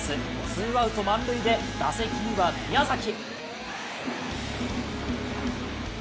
ツーアウト満塁で打席には宮崎。